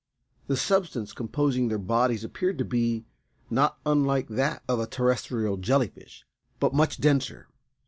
The substance composing their bodies appeared to be not unlike that of a terrestrial jelly fish, but much denser.